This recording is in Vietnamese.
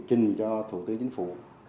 trình cho thủ tướng chính phủ